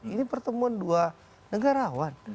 ini pertemuan dua negarawan